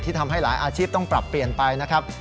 ทำให้หลายอาชีพต้องปรับเปลี่ยนไปนะครับ